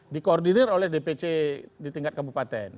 dikoordinir oleh dpc di tingkat kabupaten